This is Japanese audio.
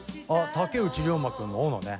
竹内涼真君の斧ね。